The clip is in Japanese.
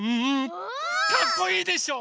かっこいいでしょ？